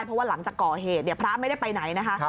เพราะว่าหลังจากก่อเหตุพระไม่ได้ไปไหนนะคะ